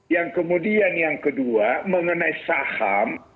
yang kemudian yang kedua mengenai saham